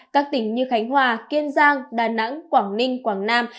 các tỉnh như khánh hòa kiên giang đà nẵng quảng ninh quảng nam